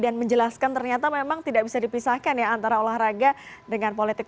dan menjelaskan ternyata memang tidak bisa dipisahkan ya antara olahraga dengan politik